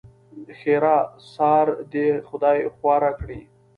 ښېرا؛ سار دې خدای خواره کړي!